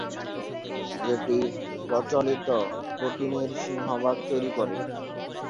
যেটি প্রচলিত প্রোটিনের সিংহভাগ তৈরি করে।